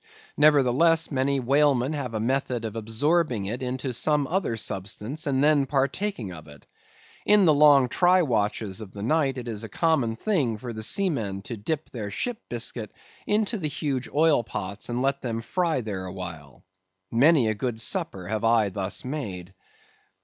Nevertheless, many whalemen have a method of absorbing it into some other substance, and then partaking of it. In the long try watches of the night it is a common thing for the seamen to dip their ship biscuit into the huge oil pots and let them fry there awhile. Many a good supper have I thus made.